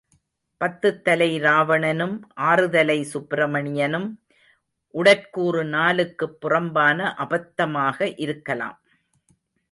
பத்துத் தலை ராவணனும், ஆறுதலை சுப்ரமணியனும், உடற்கூறு நூலுக்குப் புறம்பான அபத்தமாக இருக்கலாம்.